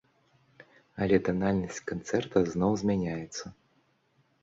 Але танальнасць канцэрта зноў змяняецца.